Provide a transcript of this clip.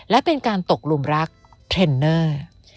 และเป็นการตกลุมรักเทรนเนอร์